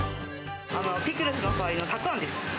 ピクルスの代わりのタクアンです。